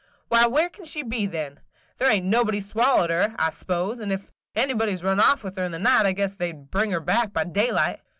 Why, where can she be then? There ain't nobody swallowed her, I s'pose; and if anybody 's run off with her in the night, I guess they 'd bring her back by daylight."